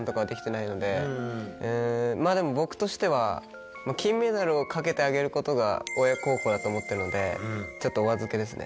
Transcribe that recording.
僕としては金メダルをかけてあげることが親孝行だと思ってるのでちょっとお預けですね。